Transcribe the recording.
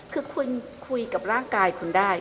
คือคุณคุยกับร่างกายคุณได้